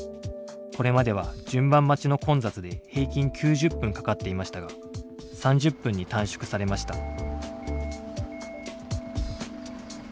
これまでは順番待ちの混雑で平均９０分かかっていましたが３０分に短縮されました。